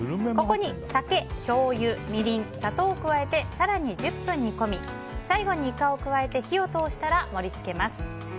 ここに酒、しょうゆ、みりん砂糖を加えて更に１０分煮込み最後にイカを加えて火を通したら盛り付けます。